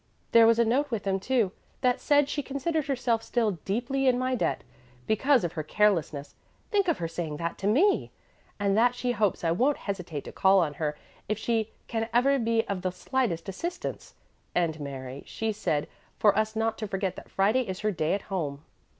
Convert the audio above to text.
There was a note with them, too, that said she considered herself still 'deeply in my debt,' because of her carelessness think of her saying that to me! and that she hopes I won't hesitate to call on her if she 'can ever be of the slightest assistance.' And Mary, she said for us not to forget that Friday is her day at home."